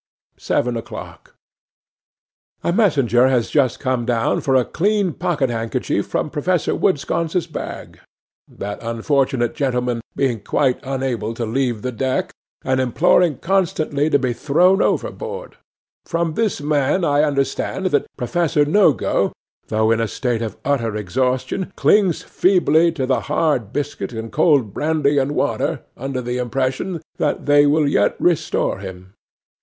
'Seven o'clock. 'A MESSENGER has just come down for a clean pocket handkerchief from Professor Woodensconce's bag, that unfortunate gentleman being quite unable to leave the deck, and imploring constantly to be thrown overboard. From this man I understand that Professor Nogo, though in a state of utter exhaustion, clings feebly to the hard biscuit and cold brandy and water, under the impression that they will yet restore him.